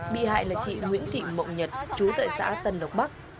bị hại là chị nguyễn thị mộng nhật chú tại xã tân lộc bắc